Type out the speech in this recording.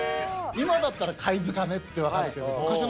今だったら貝塚って分かるけど昔の人知ってた。